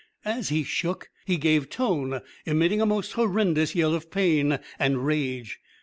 As he shook he gave tone, emitting a most horrendous yell of pain and rage.